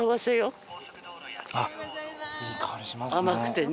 あっ、いい香りしますね。